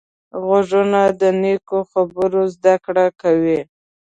غوږونه له نیکو خبرو زده کړه کوي